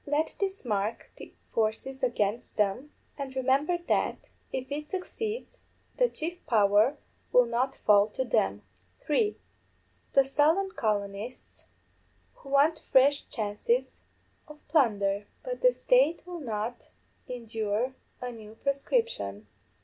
Let these mark the forces against them, and remember that, if it succeeds, the chief power will not fall to them._ (3) _The Sullan colonists, who want fresh chances of plunder. But the State will not endure a new proscription.